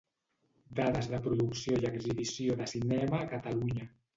Dades de producció i exhibició de cinema a Catalunya.